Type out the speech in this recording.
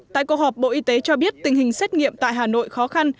tại cuộc họp bộ y tế cho biết tình hình xét nghiệm tại hà nội khó khăn